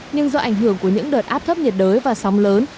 nhưng do ảnh hưởng của những đợt áp thấp nhiệt đới và sóng lớn